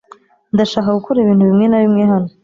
Ndashaka gukora ibintu bimwe na bimwe hano .